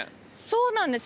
そうなんです。